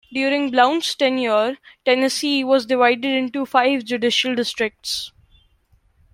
During Blount's tenure, Tennessee was divided into five judicial districts.